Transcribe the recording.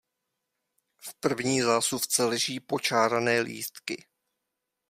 V první zásuvce leží počárané lístky.